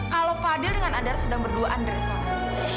kalau fadil dengan anda sedang berduaan di restoran